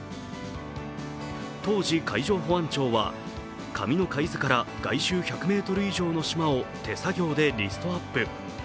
当時、海上保安庁は紙の海図から外周１００ｍ以上の島を手作業でリストアップ。